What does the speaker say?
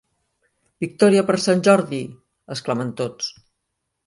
Victòria per Sant Jordi!, exclamen tots.